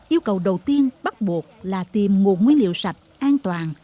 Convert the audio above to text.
yêu cầu đầu tiên bắt buộc là tìm nguồn nguyên liệu sạch an toàn